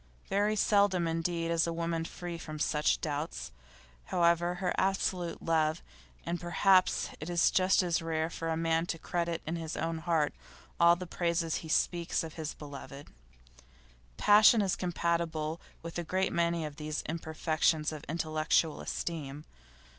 Very seldom indeed is a woman free from such doubts, however absolute her love; and perhaps it is just as rare for a man to credit in his heart all the praises he speaks of his beloved. Passion is compatible with a great many of these imperfections of intellectual esteem.